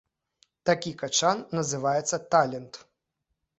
Такі качан называецца талент.